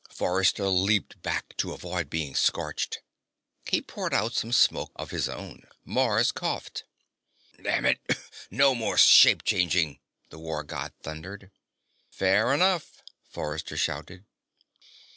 Forrester leaped back to avoid being scorched. He poured out some smoke of his own. Mars coughed. "Damn it, no more shape changing!" the War God thundered. "Fair enough!" Forrester shouted.